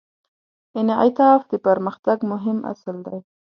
انعطاف د پرمختګ مهم اصل دی.